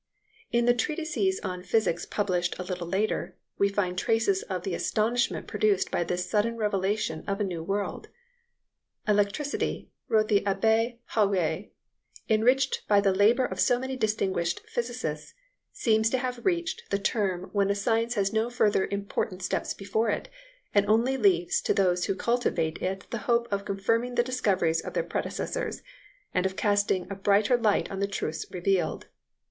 In the treatises on physics published a little later, we find traces of the astonishment produced by this sudden revelation of a new world. "Electricity," wrote the Abbé Haüy, "enriched by the labour of so many distinguished physicists, seemed to have reached the term when a science has no further important steps before it, and only leaves to those who cultivate it the hope of confirming the discoveries of their predecessors, and of casting a brighter light on the truths revealed.